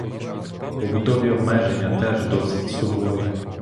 Побутові обмеження теж досить суворі.